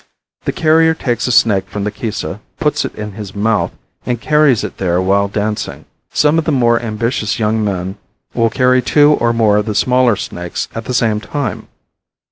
The carrier takes a snake from the Kisa puts it in his mouth, and carries it there while dancing. Some of the more ambitious young men will carry two or more of the smaller snakes at the same time.